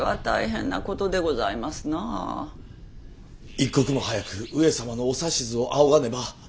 一刻も早く上様のお指図を仰がねば。